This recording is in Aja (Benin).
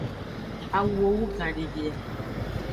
Awuo wugan devie.